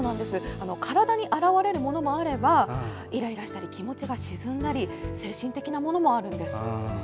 体に現れるものもあればイライラしたり気持ちが沈んだり精神的なものもあるんです。